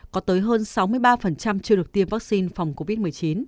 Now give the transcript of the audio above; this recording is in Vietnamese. có tới hơn sáu mươi ba chưa được tiêm vaccine phòng covid một mươi chín